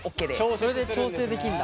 それで調整できるんだ。